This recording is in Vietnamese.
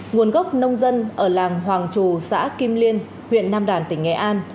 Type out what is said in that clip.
nguồn gốc nông dân ở làng hoàng trù xã kim liên huyện nam đàn tỉnh nghệ an